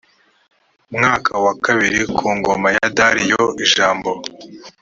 mwaka wa kabiri wo ku ngoma ya dariyo ijambo